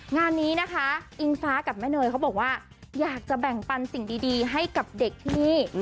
งานนี้นะคะอิงฟ้ากับแม่เนยเขาบอกว่าอยากจะแบ่งปันสิ่งดีให้กับเด็กที่นี่